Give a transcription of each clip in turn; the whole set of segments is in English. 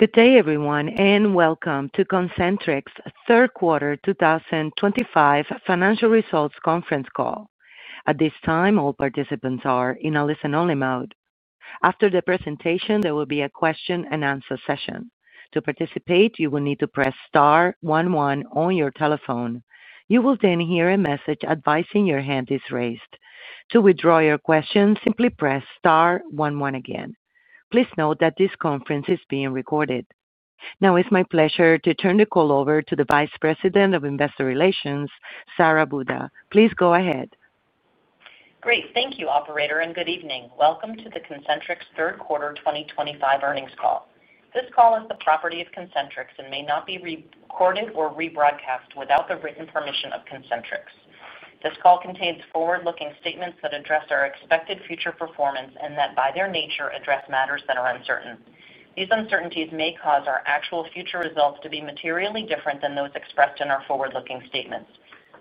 Good day, everyone, and welcome to Concentrix's third quarter 2025 financial results conference call. At this time, all participants are in a listen-only mode. After the presentation, there will be a question and answer session. To participate, you will need to press *11 on your telephone. You will then hear a message advising your hand is raised. To withdraw your question, simply press *11 again. Please note that this conference is being recorded. Now, it's my pleasure to turn the call over to the Vice President of Investor Relations, Sara Buda. Please go ahead. Great. Thank you, operator, and good evening. Welcome to the Concentrix third quarter 2025 earnings call. This call is the property of Concentrix and may not be recorded or rebroadcast without the written permission of Concentrix. This call contains forward-looking statements that address our expected future performance and that, by their nature, address matters that are uncertain. These uncertainties may cause our actual future results to be materially different than those expressed in our forward-looking statements.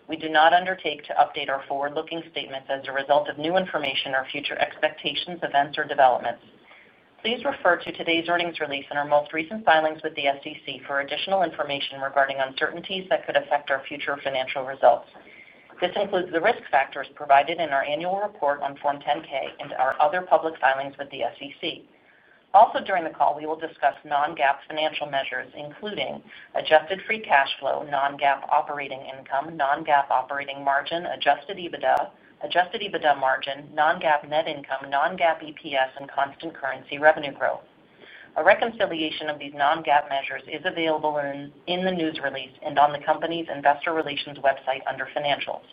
We do not undertake to update our forward-looking statements as a result of new information or future expectations, events, or developments. Please refer to today's earnings release and our most recent filings with the SEC for additional information regarding uncertainties that could affect our future financial results. This includes the risk factors provided in our annual report on Form 10-K and our other public filings with the SEC. Also, during the call, we will discuss non-GAAP financial measures, including adjusted free cash flow, non-GAAP operating income, non-GAAP operating margin, adjusted EBITDA, adjusted EBITDA margin, non-GAAP net income, non-GAAP EPS, and constant currency revenue growth. A reconciliation of these non-GAAP measures is available in the news release and on the company's Investor Relations website under Financials.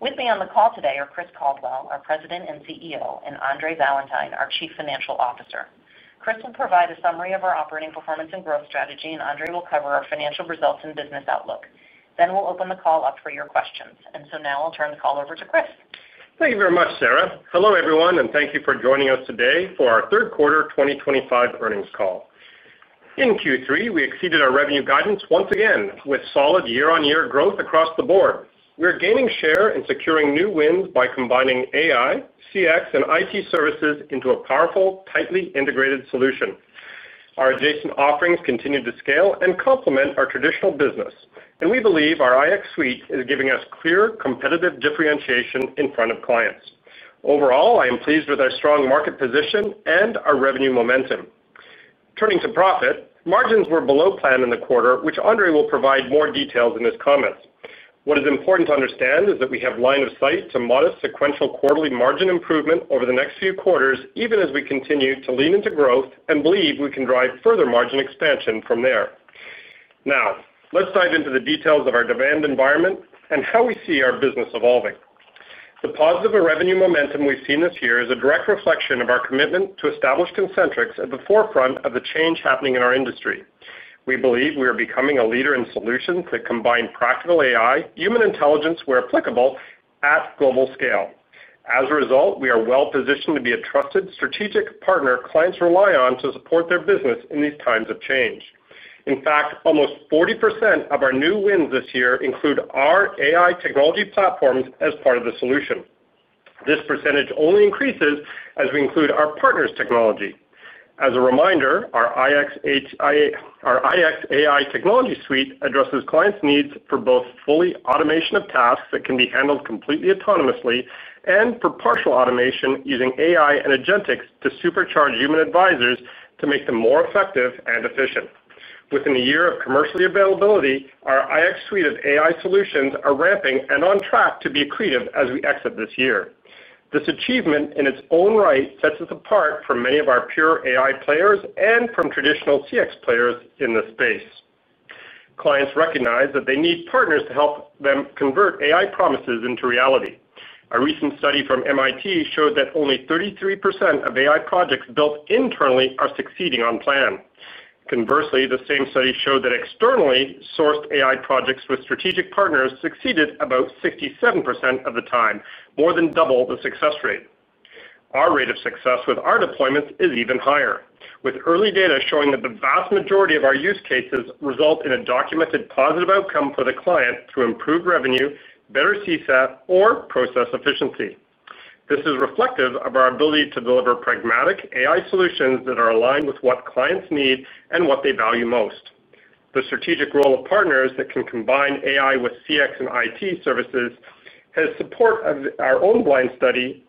With me on the call today are Chris Caldwell, our President and CEO, and Andre Valentine, our Chief Financial Officer. Chris will provide a summary of our operating performance and growth strategy, and Andre will cover our financial results and business outlook. We will open the call up for your questions. Now I'll turn the call over to Chris. Thank you very much, Sara. Hello, everyone, and thank you for joining us today for our third quarter 2025 earnings call. In Q3, we exceeded our revenue guidance once again with solid year-on-year growth across the board. We're gaining share and securing new wins by combining AI, CX, and IT services into a powerful, tightly integrated solution. Our adjacent offerings continue to scale and complement our traditional business, and we believe our IX suite is giving us clear, competitive differentiation in front of clients. Overall, I am pleased with our strong market position and our revenue momentum. Turning to profit, margins were below plan in the quarter, which Andre will provide more details in his comments. What is important to understand is that we have line of sight to modest sequential quarterly margin improvement over the next few quarters, even as we continue to lean into growth and believe we can drive further margin expansion from there. Now, let's dive into the details of our demand environment and how we see our business evolving. The positive revenue momentum we've seen this year is a direct reflection of our commitment to establish Concentrix at the forefront of the change happening in our industry. We believe we are becoming a leader in solutions that combine practical AI, human intelligence, where applicable, at global scale. As a result, we are well positioned to be a trusted strategic partner clients rely on to support their business in these times of change. In fact, almost 40% of our new wins this year include our AI technology platforms as part of the solution. This percentage only increases as we include our partners' technology. As a reminder, our IX AI technology suite addresses clients' needs for both fully automation of tasks that can be handled completely autonomously and for partial automation using AI and agentics to supercharge human advisors to make them more effective and efficient. Within a year of commercial availability, our IX suite of AI solutions are ramping and on track to be accretive as we exit this year. This achievement in its own right sets us apart from many of our pure AI players and from traditional CX players in this space. Clients recognize that they need partners to help them convert AI promises into reality. A recent study from MIT showed that only 33% of AI projects built internally are succeeding on plan. Conversely, the same study showed that externally sourced AI projects with strategic partners succeeded about 67% of the time, more than double the success rate. Our rate of success with our deployments is even higher, with early data showing that the vast majority of our use cases result in a documented positive outcome for the client through improved revenue, better CSAT, or process efficiency. This is reflective of our ability to deliver pragmatic AI solutions that are aligned with what clients need and what they value most. The strategic role of partners that can combine AI with CX and IT services has support of our own blind study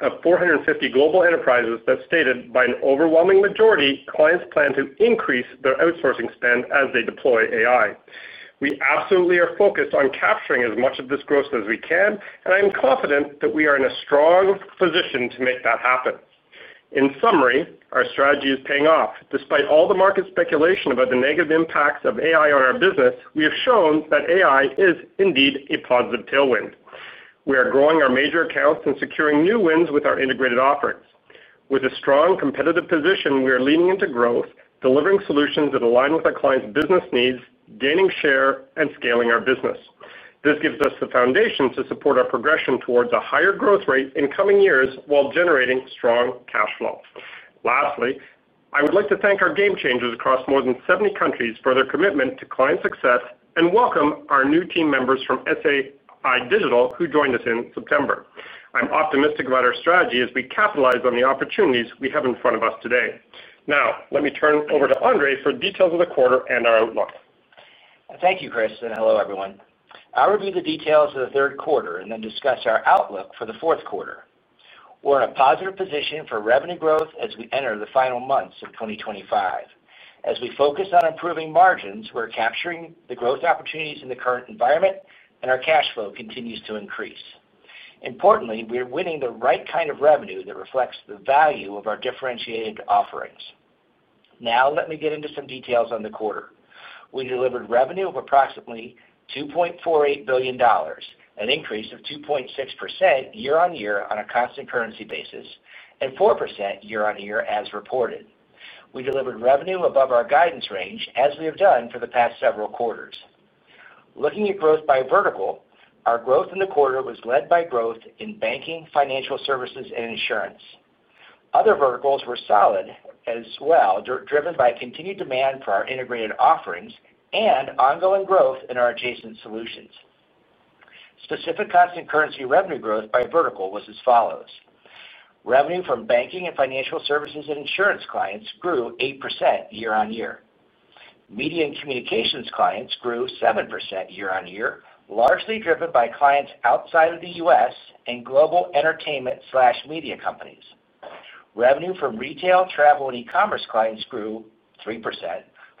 of 450 global enterprises that stated by an overwhelming majority clients plan to increase their outsourcing spend as they deploy AI. We absolutely are focused on capturing as much of this growth as we can, and I am confident that we are in a strong position to make that happen. In summary, our strategy is paying off. Despite all the market speculation about the negative impacts of AI on our business, we have shown that AI is indeed a positive tailwind. We are growing our major accounts and securing new wins with our integrated offerings. With a strong competitive position, we are leaning into growth, delivering solutions that align with our clients' business needs, gaining share, and scaling our business. This gives us the foundation to support our progression towards a higher growth rate in coming years while generating strong cash flow. Lastly, I would like to thank our game changers across more than 70 countries for their commitment to client success and welcome our new team members from SAI Digital who joined us in September. I'm optimistic about our strategy as we capitalize on the opportunities we have in front of us today. Now, let me turn over to Andre for details of the quarter and our outlook. Thank you, Chris, and hello, everyone. I'll review the details of the third quarter and then discuss our outlook for the fourth quarter. We're in a positive position for revenue growth as we enter the final months of 2025. As we focus on improving margins, we're capturing the growth opportunities in the current environment, and our cash flow continues to increase. Importantly, we are winning the right kind of revenue that reflects the value of our differentiated offerings. Now, let me get into some details on the quarter. We delivered revenue of approximately $2.48 billion, an increase of 2.6% year on year on a constant currency basis and 4% year on year as reported. We delivered revenue above our guidance range as we have done for the past several quarters. Looking at growth by vertical, our growth in the quarter was led by growth in banking, financial services, and insurance. Other verticals were solid as well, driven by continued demand for our integrated offerings and ongoing growth in our adjacent solutions. Specific constant currency revenue growth by vertical was as follows: revenue from banking and financial services and insurance clients grew 8% year on year. Media and communications clients grew 7% year on year, largely driven by clients outside of the U.S. and global entertainment/media companies. Revenue from retail, travel, and e-commerce clients grew 3%,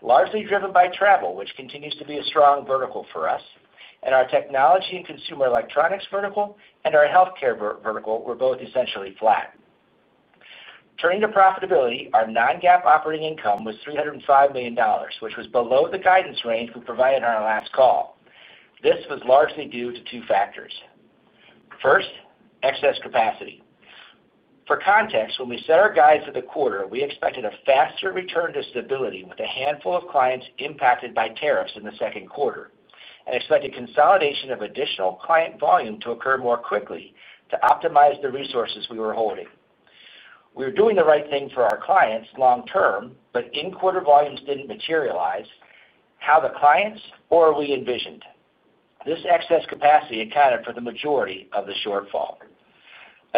largely driven by travel, which continues to be a strong vertical for us. Our technology and consumer electronics vertical and our healthcare vertical were both essentially flat. Turning to profitability, our non-GAAP operating income was $305 million, which was below the guidance range we provided on our last call. This was largely due to two factors. First, excess capacity. For context, when we set our guides for the quarter, we expected a faster return to stability with a handful of clients impacted by tariffs in the second quarter and expected consolidation of additional client volume to occur more quickly to optimize the resources we were holding. We were doing the right thing for our clients long term, but in-quarter volumes didn't materialize how the clients or we envisioned. This excess capacity accounted for the majority of the shortfall.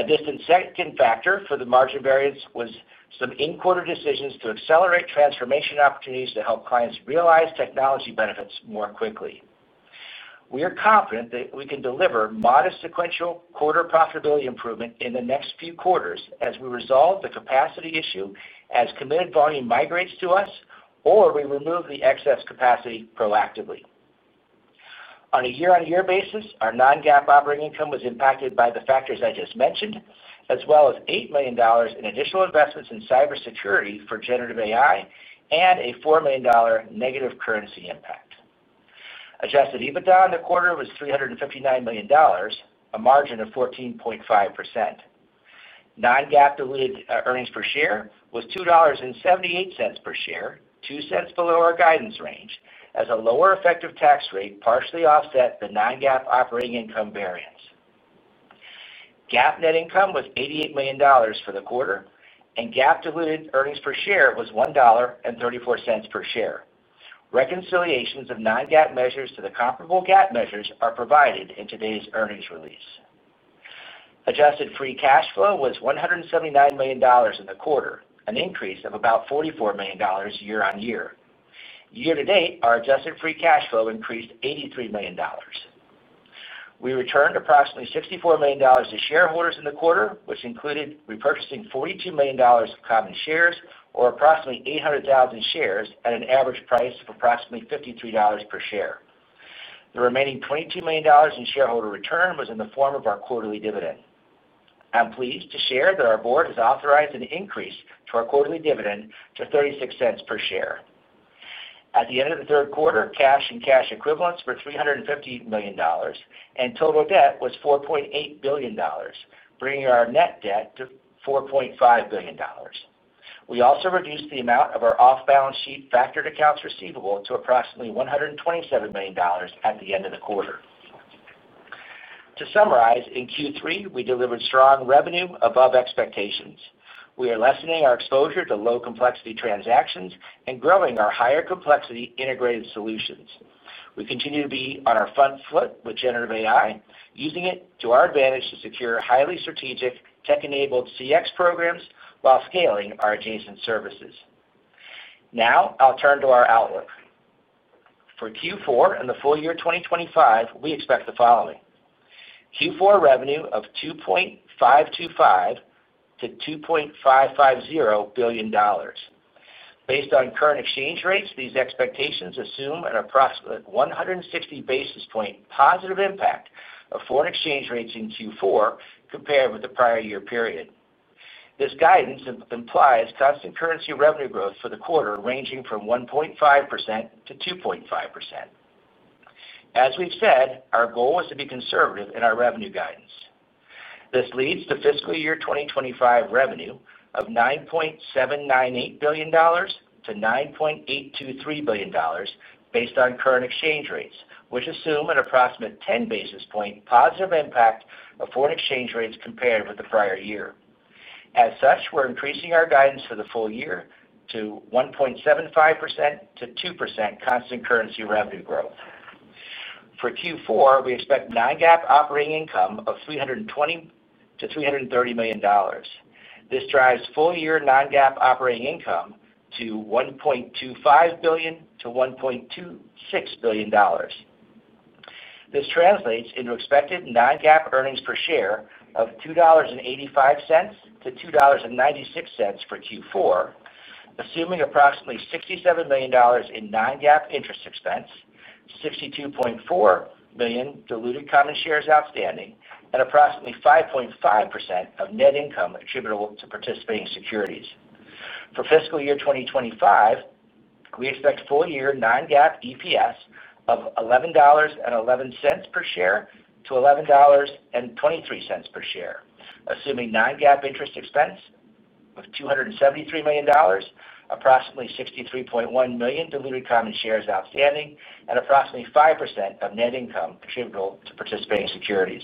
A distant second factor for the margin variance was some in-quarter decisions to accelerate transformation opportunities to help clients realize technology benefits more quickly. We are confident that we can deliver modest sequential quarter profitability improvement in the next few quarters as we resolve the capacity issue as committed volume migrates to us or we remove the excess capacity proactively. On a year-on-year basis, our non-GAAP operating income was impacted by the factors I just mentioned, as well as $8 million in additional investments in cybersecurity for generative AI and a $4 million negative currency impact. Adjusted EBITDA in the quarter was $359 million, a margin of 14.5%. Non-GAAP diluted earnings per share was $2.78 per share, $0.02 below our guidance range, as a lower effective tax rate partially offset the non-GAAP operating income variance. GAAP net income was $88 million for the quarter, and GAAP diluted earnings per share was $1.34 per share. Reconciliations of non-GAAP measures to the comparable GAAP measures are provided in today's earnings release. Adjusted free cash flow was $179 million in the quarter, an increase of about $44 million year on year. Year to date, our adjusted free cash flow increased $83 million. We returned approximately $64 million to shareholders in the quarter, which included repurchasing $42 million of common shares or approximately 800,000 shares at an average price of approximately $53 per share. The remaining $22 million in shareholder return was in the form of our quarterly dividend. I'm pleased to share that our Board has authorized an increase to our quarterly dividend to $0.36 per share. At the end of the third quarter, cash and cash equivalents were $350 million, and total debt was $4.8 billion, bringing our net debt to $4.5 billion. We also reduced the amount of our off-balance sheet factored accounts receivable to approximately $127 million at the end of the quarter. To summarize, in Q3, we delivered strong revenue above expectations. We are lessening our exposure to low-complexity transactions and growing our higher-complexity integrated solutions. We continue to be on our front foot with generative AI, using it to our advantage to secure highly strategic tech-enabled CX programs while scaling our adjacent services. Now, I'll turn to our outlook. For Q4 and the full year 2025, we expect the following: Q4 revenue of $2.525 to $2.550 billion. Based on current exchange rates, these expectations assume an approximate 160 basis point positive impact of foreign exchange rates in Q4 compared with the prior year period. This guidance implies constant currency revenue growth for the quarter ranging from 1.5% to 2.5%. As we've said, our goal is to be conservative in our revenue guidance. This leads to fiscal year 2025 revenue of $9.798 billion to $9.823 billion based on current exchange rates, which assume an approximate 10 basis point positive impact of foreign exchange rates compared with the prior year. As such, we're increasing our guidance for the full year to 1.75% to 2% constant currency revenue growth. For Q4, we expect non-GAAP operating income of $320 million to $330 million. This drives full-year non-GAAP operating income to $1.25 billion to $1.26 billion. This translates into expected non-GAAP earnings per share of $2.85 to $2.96 for Q4, assuming approximately $67 million in non-GAAP interest expense, 62.4 million diluted common shares outstanding, and approximately 5.5% of net income attributable to participating securities. For fiscal year 2025, we expect full-year non-GAAP EPS of $11.11 per share to $11.23 per share, assuming non-GAAP interest expense of $273 million, approximately 63.1 million diluted common shares outstanding, and approximately 5% of net income attributable to participating securities.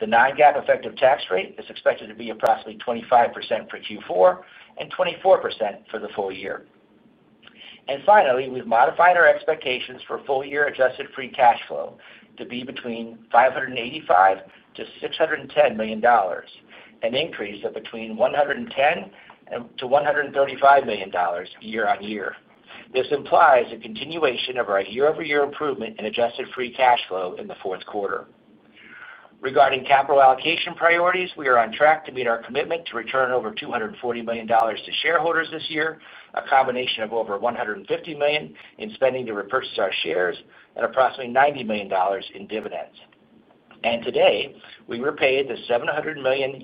The non-GAAP effective tax rate is expected to be approximately 25% for Q4 and 24% for the full year. Finally, we've modified our expectations for full-year adjusted free cash flow to be between $585 million to $610 million, an increase of between $110 million to $135 million year on year. This implies a continuation of our year-over-year improvement in adjusted free cash flow in the fourth quarter. Regarding capital allocation priorities, we are on track to meet our commitment to return over $240 million to shareholders this year, a combination of over $150 million in spending to repurchase our shares and approximately $90 million in dividends. Today, we repaid the €700 million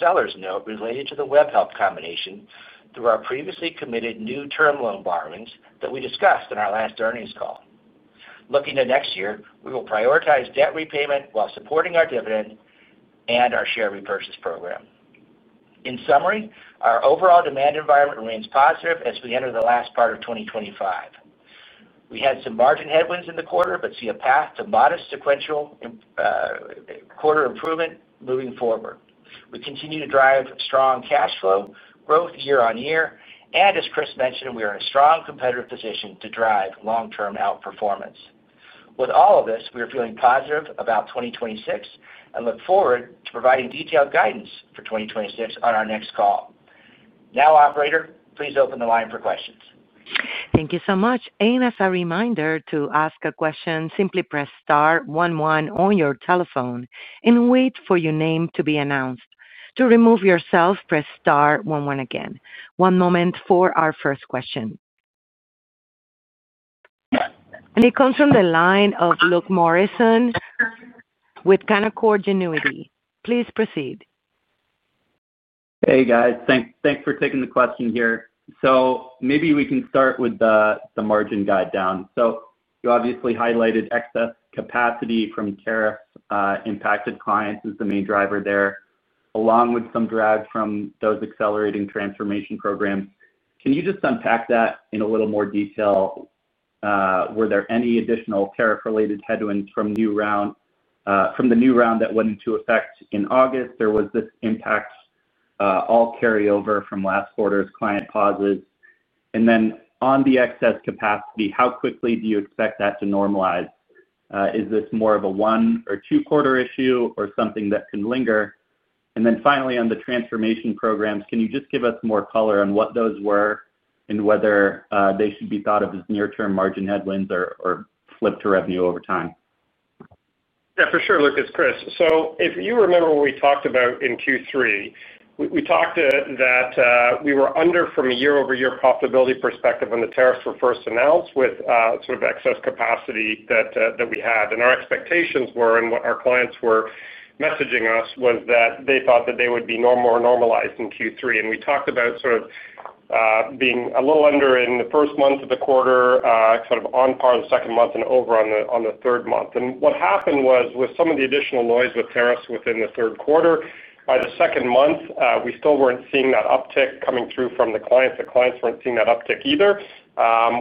seller's note related to the Webhelp combination through our previously committed new term loan borrowings that we discussed in our last earnings call. Looking to next year, we will prioritize debt repayment while supporting our dividend and our share repurchase program. In summary, our overall demand environment remains positive as we enter the last part of 2025. We had some margin headwinds in the quarter, but see a path to modest sequential quarter improvement moving forward. We continue to drive strong cash flow growth year on year, and as Chris mentioned, we are in a strong competitive position to drive long-term outperformance. With all of this, we are feeling positive about 2026 and look forward to providing detailed guidance for 2026 on our next call. Now, operator, please open the line for questions. Thank you so much. As a reminder, to ask a question, simply press *11 on your telephone and wait for your name to be announced. To remove yourself, press *11 again. One moment for our first question. It comes from the line of Luke Morrison with Canaccord Genuity. Please proceed. Hey, guys. Thanks for taking the question here. Maybe we can start with the margin guide down. You obviously highlighted excess capacity from tariff-impacted clients as the main driver there, along with some drags from those accelerating transformation programs. Can you just unpack that in a little more detail? Were there any additional tariff-related headwinds from the new round that went into effect in August, or was this impact all carryover from last quarter's client pauses? On the excess capacity, how quickly do you expect that to normalize? Is this more of a one or two-quarter issue or something that can linger? Finally, on the transformation programs, can you just give us more color on what those were and whether they should be thought of as near-term margin headwinds or flipped to revenue over time? Yeah, for sure, Luke. It's Chris. If you remember what we talked about in Q3, we talked that we were under from a year-over-year profitability perspective when the tariffs were first announced with sort of excess capacity that we had. Our expectations were, and what our clients were messaging us, was that they thought that they would be more normalized in Q3. We talked about being a little under in the first month of the quarter, sort of on par the second month, and over on the third month. What happened was with some of the additional noise with tariffs within the third quarter, by the second month, we still weren't seeing that uptick coming through from the clients. The clients weren't seeing that uptick either.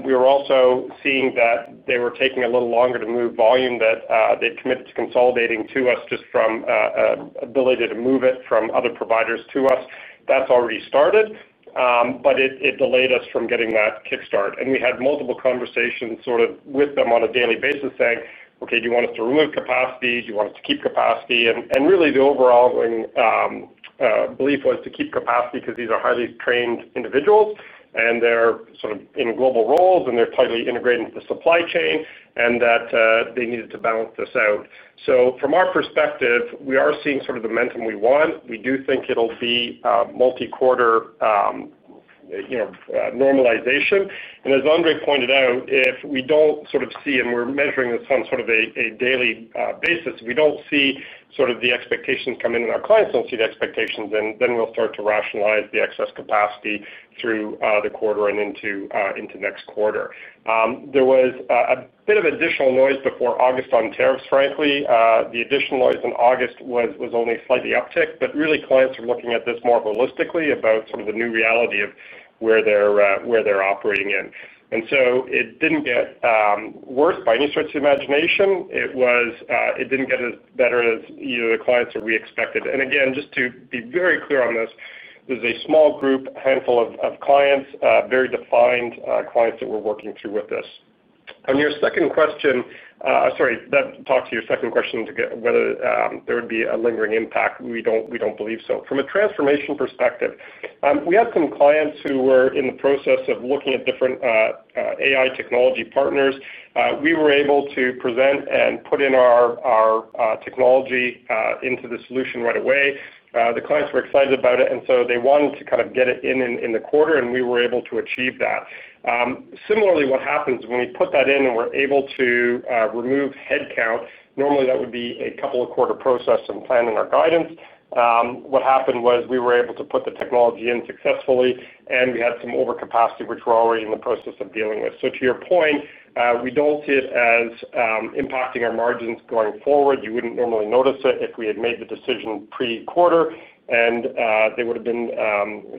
We were also seeing that they were taking a little longer to move volume that they'd committed to consolidating to us just from an ability to move it from other providers to us. That's already started, but it delayed us from getting that kickstart. We had multiple conversations with them on a daily basis saying, "Okay, do you want us to remove capacity? Do you want us to keep capacity?" The overall belief was to keep capacity because these are highly trained individuals and they're in global roles and they're tightly integrated into the supply chain and that they needed to balance this out. From our perspective, we are seeing the momentum we want. We do think it'll be multi-quarter normalization. As Andre pointed out, if we don't see, and we're measuring this on a daily basis, if we don't see the expectations come in and our clients don't see the expectations, then we'll start to rationalize the excess capacity through the quarter and into next quarter. There was a bit of additional noise before August on tariffs, frankly. The additional noise in August was only a slight uptick, but really, clients are looking at this more holistically about the new reality of where they're operating in. It didn't get worse by any stretch of the imagination. It didn't get as better as either the clients or we expected. Just to be very clear on this, it was a small group, a handful of clients, very defined clients that we're working through with this. Your second question, sorry, that talks to your second question to get whether there would be a lingering impact. We don't believe so. From a transformation perspective, we had some clients who were in the process of looking at different AI technology partners. We were able to present and put in our technology into the solution right away. The clients were excited about it, and they wanted to kind of get it in in the quarter, and we were able to achieve that. Similarly, what happens when we put that in and we're able to remove headcount? Normally, that would be a couple-of-quarter process and plan in our guidance. What happened was we were able to put the technology in successfully, and we had some overcapacity, which we're already in the process of dealing with. To your point, we don't see it as impacting our margins going forward. You wouldn't normally notice it if we had made the decision pre-quarter, and they would have been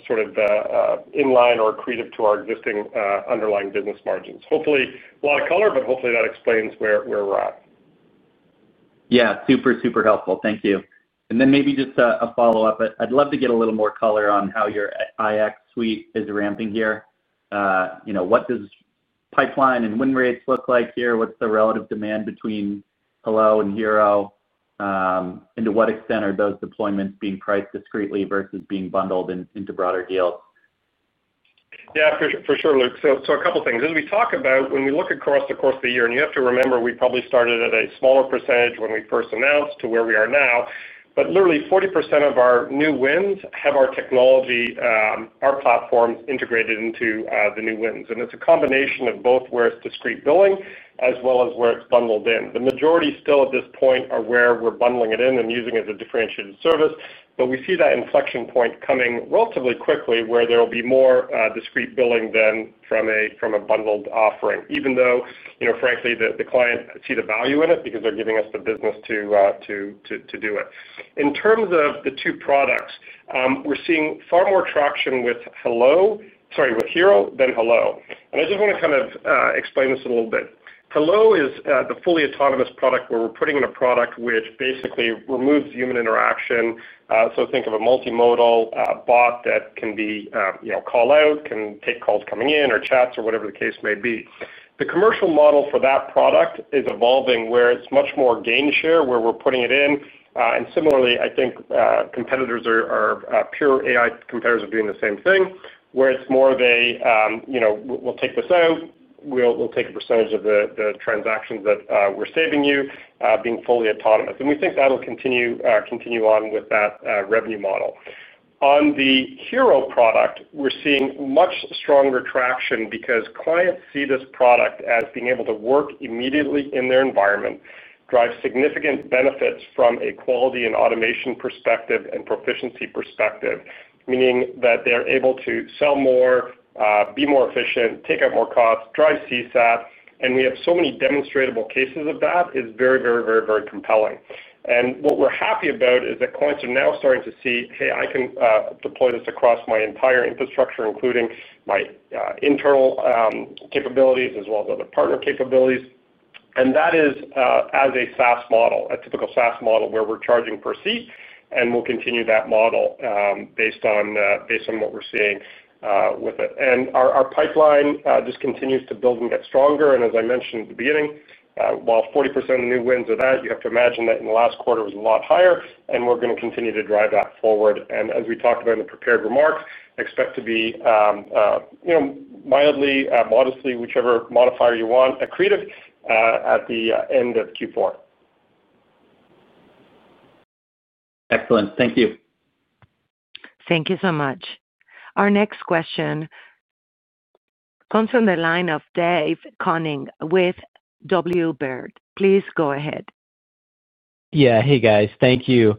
sort of in line or accretive to our existing underlying business margins. Hopefully, a lot of color, but hopefully, that explains where we're at. Yeah, super helpful. Thank you. Maybe just a follow-up. I'd love to get a little more color on how your IX suite is ramping here. You know, what does pipeline and win rates look like here? What's the relative demand between Hello and Hero? To what extent are those deployments being priced discretely versus being bundled into broader deals? Yeah, for sure, Luke. A couple of things. As we talk about, when we look across the course of the year, and you have to remember, we probably started at a smaller % when we first announced to where we are now. Literally, 40% of our new wins have our technology, our platform integrated into the new wins. It's a combination of both where it's discrete billing as well as where it's bundled in. The majority still at this point are where we're bundling it in and using it as a differentiated service. We see that inflection point coming relatively quickly where there will be more discrete billing than from a bundled offering, even though, you know, frankly, the client sees the value in it because they're giving us the business to do it. In terms of the two products, we're seeing far more traction with Hero than Hello. I just want to kind of explain this a little bit. Hello is the fully autonomous product where we're putting in a product which basically removes human interaction. Think of a multimodal bot that can be, you know, call out, can take calls coming in or chats or whatever the case may be. The commercial model for that product is evolving where it's much more gain share where we're putting it in. Similarly, I think competitors, pure AI competitors, are doing the same thing where it's more of a, you know, we'll take this out. We'll take a % of the transactions that we're saving you being fully autonomous. We think that'll continue on with that revenue model. On the Hero product, we're seeing much stronger traction because clients see this product as being able to work immediately in their environment, drive significant benefits from a quality and automation perspective and proficiency perspective, meaning that they're able to sell more, be more efficient, take out more costs, drive CSAT. We have so many demonstrable cases of that. It's very, very, very, very compelling. What we're happy about is that clients are now starting to see, "Hey, I can deploy this across my entire infrastructure, including my internal capabilities as well as other partner capabilities." That is as a SaaS model, a typical SaaS model where we're charging per seat, and we'll continue that model based on what we're seeing with it. Our pipeline just continues to build and get stronger. As I mentioned at the beginning, while 40% of the new wins are that, you have to imagine that in the last quarter it was a lot higher, and we're going to continue to drive that forward. As we talked about in the prepared remarks, I expect to be, you know, mildly, modestly, whichever modifier you want, accretive at the end of Q4. Excellent. Thank you. Thank you so much. Our next question comes from the line of David Koning with Baird. Please go ahead. Yeah. Hey, guys. Thank you.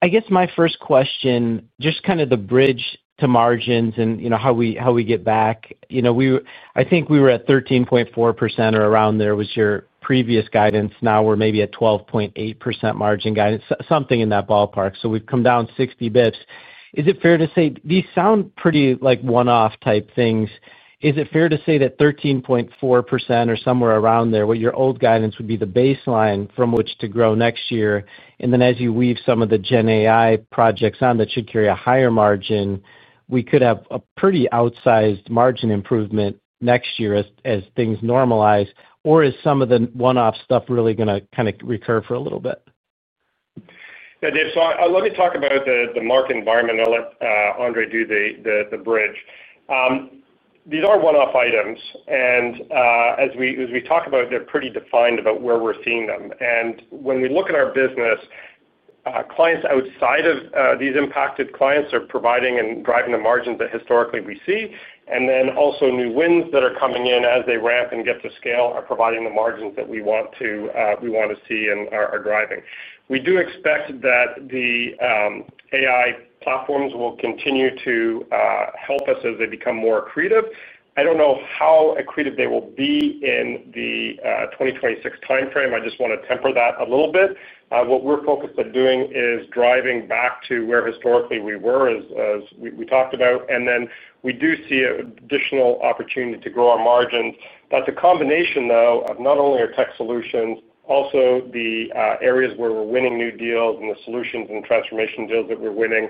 I guess my first question, just kind of the bridge to margins and, you know, how we get back, you know, I think we were at 13.4% or around there was your previous guidance. Now we're maybe at 12.8% margin guidance, something in that ballpark. We've come down 60 bps. Is it fair to say these sound pretty like one-off type things? Is it fair to say that 13.4% or somewhere around there, what your old guidance would be, is the baseline from which to grow next year? As you weave some of the Gen AI projects on, that should carry a higher margin, we could have a pretty outsized margin improvement next year as things normalize, or is some of the one-off stuff really going to kind of recur for a little bit? Yeah, Dave. Let me talk about the market environment. I'll let Andre do the bridge. These are one-off items, and as we talk about, they're pretty defined about where we're seeing them. When we look at our business, clients outside of these impacted clients are providing and driving the margins that historically we see. Also, new wins that are coming in as they ramp and get to scale are providing the margins that we want to see and are driving. We do expect that the AI platforms will continue to help us as they become more accretive. I don't know how accretive they will be in the 2026 timeframe. I just want to temper that a little bit. What we're focused on doing is driving back to where historically we were, as we talked about. We do see an additional opportunity to grow our margins. That's a combination, though, of not only our tech solutions, also the areas where we're winning new deals and the solutions and transformation deals that we're winning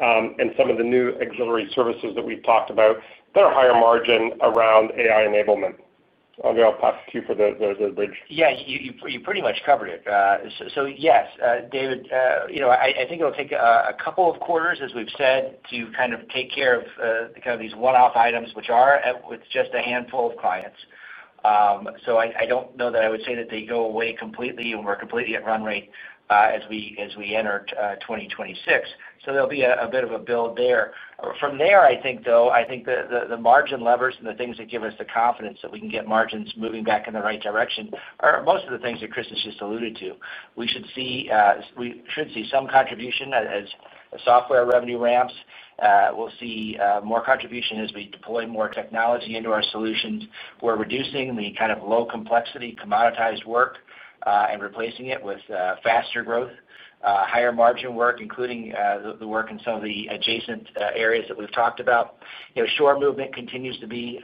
and some of the new auxiliary services that we've talked about that are higher margin around AI enablement. I'll pass the cue for the bridge. Yeah, you pretty much covered it. Yes, David, I think it'll take a couple of quarters, as we've said, to kind of take care of these one-off items, which are with just a handful of clients. I don't know that I would say that they go away completely and we're completely at run rate as we enter 2026. There'll be a bit of a build there. From there, I think the margin levers and the things that give us the confidence that we can get margins moving back in the right direction are most of the things that Chris has just alluded to. We should see some contribution as software revenue ramps. We'll see more contribution as we deploy more technology into our solutions. We're reducing the kind of low-complexity, commoditized work and replacing it with faster growth, higher margin work, including the work in some of the adjacent areas that we've talked about. Shore movement continues to be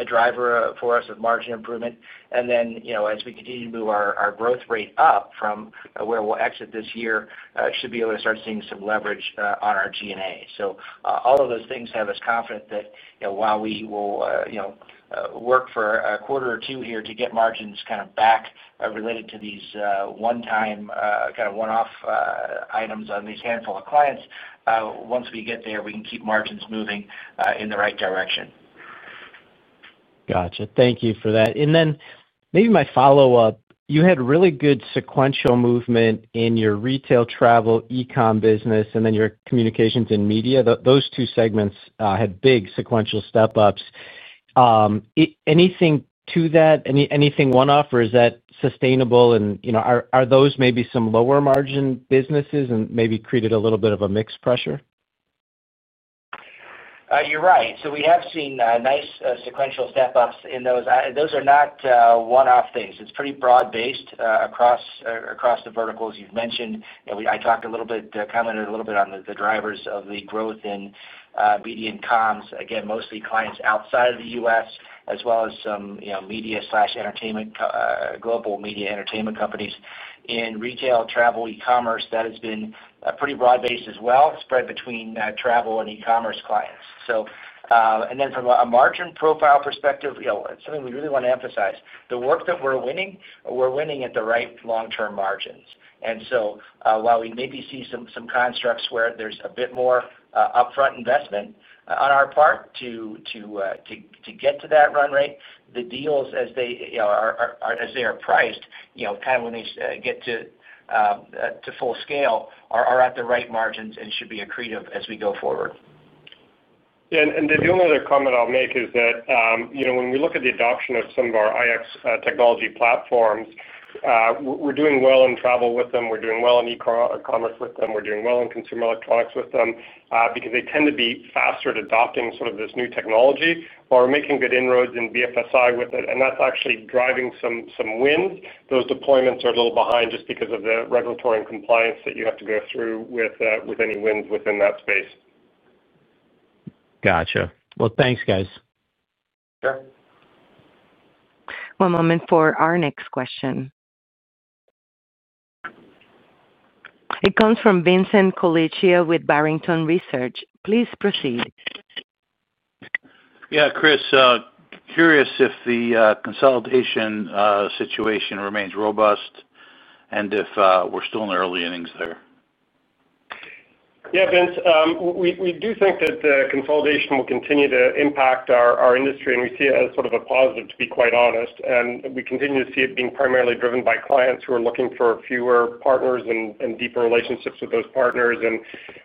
a driver for us of margin improvement. As we continue to move our growth rate up from where we'll exit this year, it should be able to start seeing some leverage on our G&A. All of those things have us confident that, while we will work for a quarter or two here to get margins kind of back related to these one-time kind of one-off items on these handful of clients, once we get there, we can keep margins moving in the right direction. Thank you for that. Maybe my follow-up, you had really good sequential movement in your retail, travel, e-com business, and then your communications and media. Those two segments had big sequential step-ups. Anything to that? Anything one-off, or is that sustainable? You know, are those maybe some lower margin businesses and maybe created a little bit of a mixed pressure? You're right. We have seen nice sequential step-ups in those. Those are not one-off things. It's pretty broad-based across the verticals you've mentioned. I talked a little bit, commented a little bit on the drivers of the growth in media and comms, mostly clients outside of the U.S., as well as some media/entertainment, global media entertainment companies. In retail, travel, e-commerce, that has been pretty broad-based as well, spread between travel and e-commerce clients. From a margin profile perspective, something we really want to emphasize, the work that we're winning, we're winning at the right long-term margins. While we maybe see some constructs where there's a bit more upfront investment on our part to get to that run rate, the deals, as they are priced, kind of when they get to full scale, are at the right margins and should be accretive as we go forward. The only other comment I'll make is that, you know, when we look at the adoption of some of our IX technology platforms, we're doing well in travel with them. We're doing well in e-commerce with them. We're doing well in consumer electronics with them because they tend to be faster at adopting sort of this new technology or making good inroads in BFSI with it. That's actually driving some wins. Those deployments are a little behind just because of the regulatory and compliance that you have to go through with any wins within that space. Gotcha. Thanks, guys. Sure. One moment for our next question. It comes from Vincent Colicchio with Barrington Research. Please proceed. Yeah, Chris, curious if the consolidation situation remains robust and if we're still in the early innings there. Yeah, Vince, we do think that the consolidation will continue to impact our industry, and we see it as sort of a positive, to be quite honest. We continue to see it being primarily driven by clients who are looking for fewer partners and deeper relationships with those partners and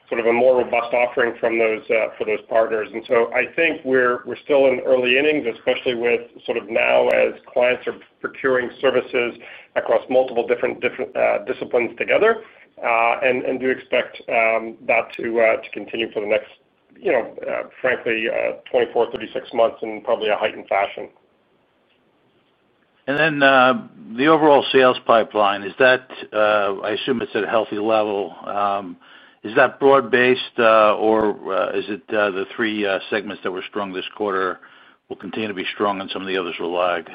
sort of a more robust offering for those partners. I think we're still in early innings, especially now as clients are procuring services across multiple different disciplines together. We do expect that to continue for the next, you know, frankly, 24, 36 months in probably a heightened fashion. Is the overall sales pipeline at a healthy level? Is that broad-based, or is it that the three segments that were strong this quarter will continue to be strong and some of the others will lag?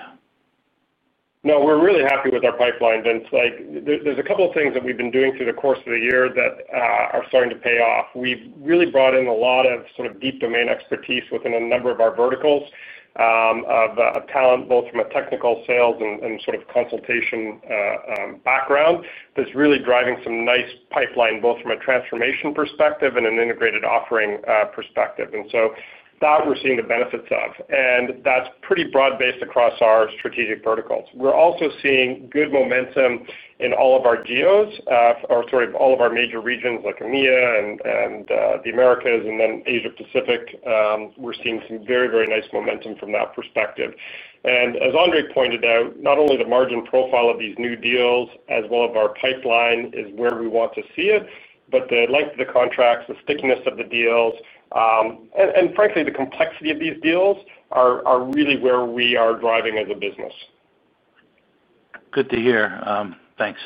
No, we're really happy with our pipeline, Vince. There's a couple of things that we've been doing through the course of the year that are starting to pay off. We've really brought in a lot of sort of deep domain expertise within a number of our verticals of talent, both from a technical sales and sort of consultation background that's really driving some nice pipeline, both from a transformation perspective and an integrated offering perspective. We are seeing the benefits of that. That's pretty broad-based across our strategic verticals. We're also seeing good momentum in all of our deals, or sort of all of our major regions like EMEA, the Americas, and then Asia-Pacific. We're seeing some very, very nice momentum from that perspective. As Andre Valentine pointed out, not only the margin profile of these new deals, as well as our pipeline, is where we want to see it, but the length of the contracts, the stickiness of the deals, and frankly, the complexity of these deals are really where we are driving as a business. Good to hear. Thanks.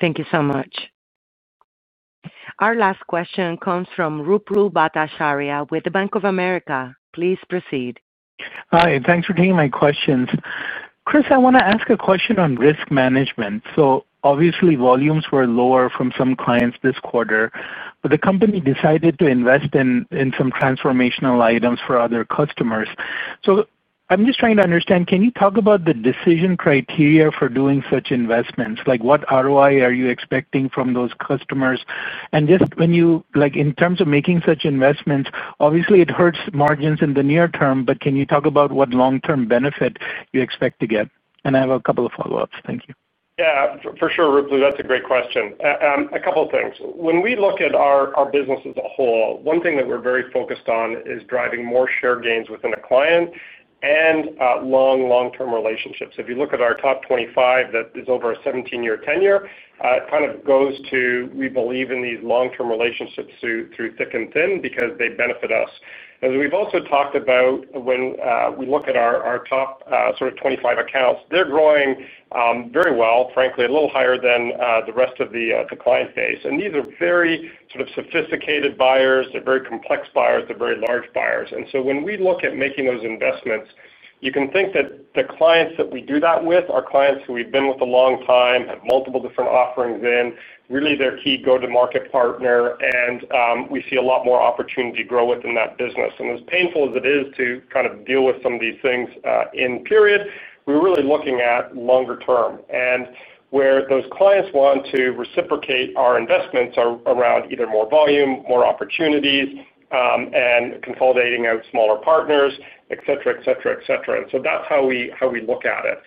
Thank you so much. Our last question comes from Ruplu Bhattacharya with Bank of America. Please proceed. Hi, and thanks for taking my questions. Chris, I want to ask a question on risk management. Obviously, volumes were lower from some clients this quarter, but the company decided to invest in some transformational items for other customers. I'm just trying to understand, can you talk about the decision criteria for doing such investments? What ROI are you expecting from those customers? In terms of making such investments, obviously, it hurts margins in the near term, but can you talk about what long-term benefit you expect to get? I have a couple of follow-ups. Thank you. Yeah, for sure, Ruplu, that's a great question. A couple of things. When we look at our business as a whole, one thing that we're very focused on is driving more share gains within a client and long, long-term relationships. If you look at our top 25, that is over a 17-year tenure. It kind of goes to we believe in these long-term relationships through thick and thin because they benefit us. We've also talked about when we look at our top sort of 25 accounts, they're growing very well, frankly, a little higher than the rest of the client base. These are very sort of sophisticated buyers. They're very complex buyers. They're very large buyers. When we look at making those investments, you can think that the clients that we do that with are clients who we've been with a long time, have multiple different offerings in, really their key go-to-market partner, and we see a lot more opportunity to grow within that business. As painful as it is to kind of deal with some of these things in period, we're really looking at longer term. Where those clients want to reciprocate our investments are around either more volume, more opportunities, and consolidating out smaller partners, etc., etc., etc. That's how we look at it.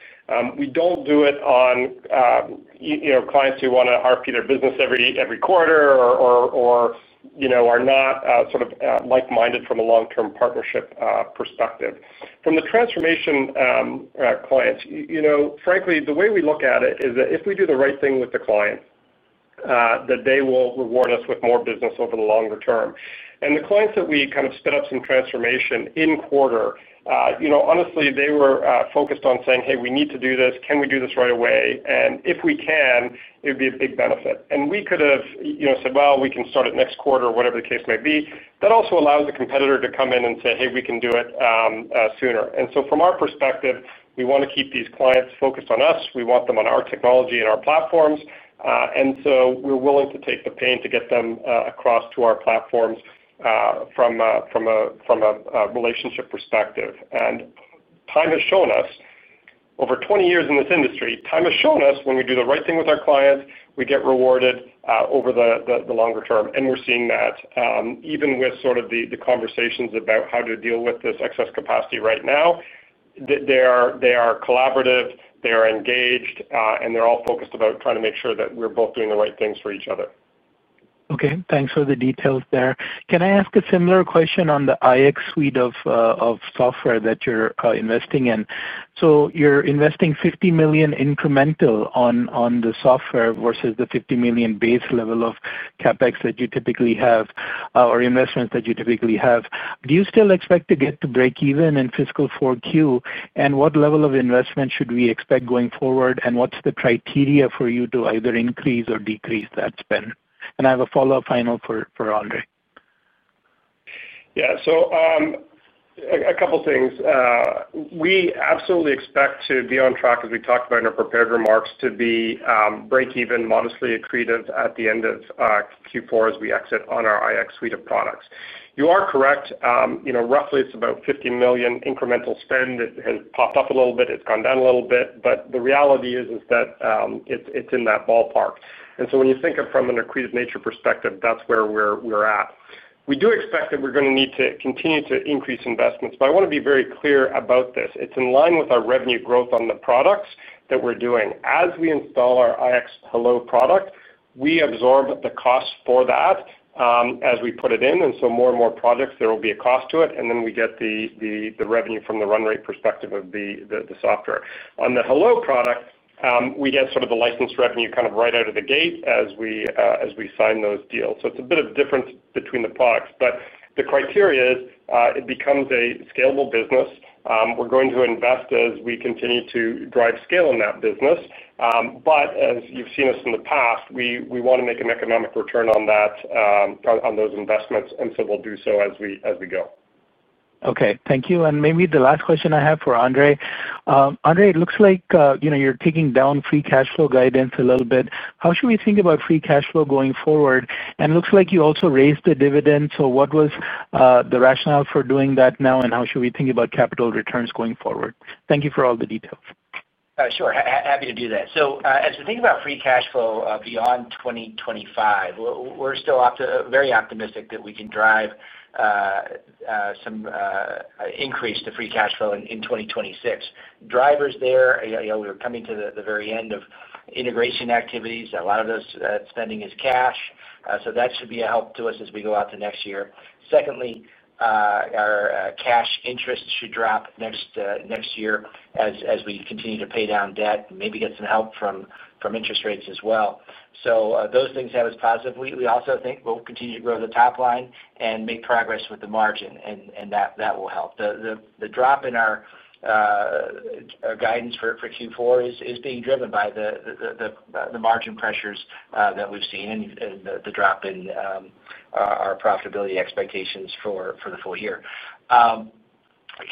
We don't do it on clients who want to RFP their business every quarter or are not sort of like-minded from a long-term partnership perspective. From the transformation clients, frankly, the way we look at it is that if we do the right thing with the client, they will reward us with more business over the longer term. The clients that we kind of sped up some transformation in quarter, honestly, they were focused on saying, "Hey, we need to do this. Can we do this right away? And if we can, it would be a big benefit." We could have said, "Well, we can start it next quarter," or whatever the case may be. That also allows the competitor to come in and say, "Hey, we can do it sooner." From our perspective, we want to keep these clients focused on us. We want them on our technology and our platforms. We're willing to take the pain to get them across to our platforms from a relationship perspective. Time has shown us, over 20 years in this industry, time has shown us when we do the right thing with our client, we get rewarded over the longer term. We're seeing that even with sort of the conversations about how to deal with this excess capacity right now. They are collaborative, they are engaged, and they're all focused about trying to make sure that we're both doing the right things for each other. Okay. Thanks for the details there. Can I ask a similar question on the IX suite of software that you're investing in? You're investing $50 million incremental on the software versus the $50 million base level of CapEx that you typically have or investments that you typically have. Do you still expect to get to break even in fiscal Q4? What level of investment should we expect going forward? What's the criteria for you to either increase or decrease that spend? I have a follow-up final for Andre. Yeah. A couple of things. We absolutely expect to be on track, as we talked about in our prepared remarks, to be break even, modestly accretive at the end of Q4 as we exit on our IX suite of products. You are correct. You know, roughly, it's about $50 million incremental spend. It has popped up a little bit. It's gone down a little bit. The reality is that it's in that ballpark. When you think of from an accretive nature perspective, that's where we're at. We do expect that we're going to need to continue to increase investments. I want to be very clear about this. It's in line with our revenue growth on the products that we're doing. As we install our IX Hello product, we absorb the cost for that as we put it in. More and more projects, there will be a cost to it. We get the revenue from the run rate perspective of the software. On the Hello product, we get sort of the license revenue kind of right out of the gate as we sign those deals. It's a bit of a difference between the products. The criteria is it becomes a scalable business. We're going to invest as we continue to drive scale in that business. As you've seen us in the past, we want to make an economic return on those investments. We'll do so as we go. Okay. Thank you. Maybe the last question I have for Andre. Andre, it looks like you're taking down free cash flow guidance a little bit. How should we think about free cash flow going forward? It looks like you also raised the dividend. What was the rationale for doing that now? How should we think about capital returns going forward? Thank you for all the details. Sure. Happy to do that. As we think about free cash flow beyond 2025, we're still very optimistic that we can drive some increase to free cash flow in 2026. Drivers there, you know, we're coming to the very end of integration activities. A lot of that spending is cash. That should be a help to us as we go out to next year. Secondly, our cash interest should drop next year as we continue to pay down debt and maybe get some help from interest rates as well. Those things have us positive. We also think we'll continue to grow the top line and make progress with the margin, and that will help. The drop in our guidance for Q4 is being driven by the margin pressures that we've seen and the drop in our profitability expectations for the full year. Our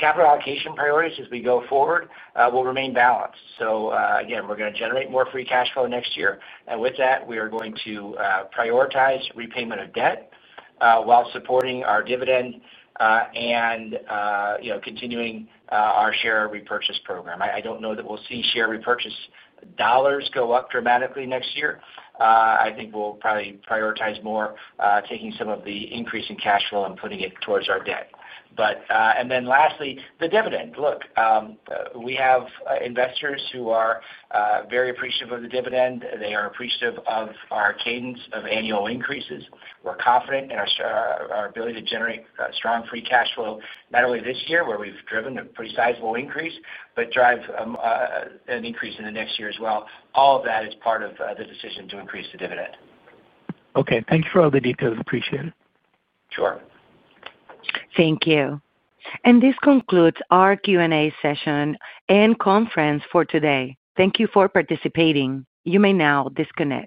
capital allocation priorities as we go forward will remain balanced. Again, we're going to generate more free cash flow next year. With that, we are going to prioritize repayment of debt while supporting our dividend and, you know, continuing our share repurchase program. I don't know that we'll see share repurchase dollars go up dramatically next year. I think we'll probably prioritize more taking some of the increase in cash flow and putting it towards our debt. Lastly, the dividend. Look, we have investors who are very appreciative of the dividend. They are appreciative of our cadence of annual increases. We're confident in our ability to generate strong free cash flow, not only this year, where we've driven a pretty sizable increase, but drive an increase in the next year as well. All of that is part of the decision to increase the dividend. Okay, thanks for all the details. Appreciate it. Sure. Thank you. This concludes our Q&A session and conference for today. Thank you for participating. You may now disconnect.